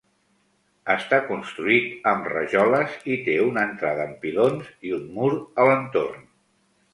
Està construït amb rajoles i té una entrada amb pilons i un mur a l'entorn.